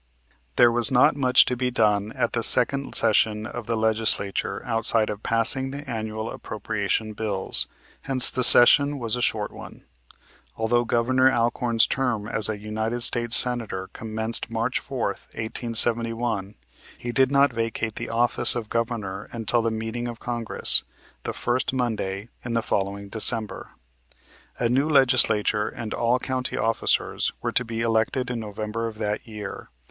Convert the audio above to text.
There was not much to be done at the second session of the Legislature outside of passing the annual appropriation bills; hence the session was a short one. Although Governor Alcorn's term as a United States Senator commenced March 4, 1871, he did not vacate the office of Governor until the meeting of Congress, the first Monday in the following December. A new Legislature and all county officers were to be elected in November of that year.